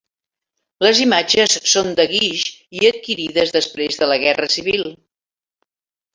Les imatges són de guix i adquirides després de la Guerra Civil.